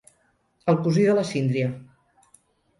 El cosí de la síndria.